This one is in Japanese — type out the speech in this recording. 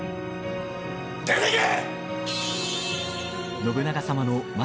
出ていけ！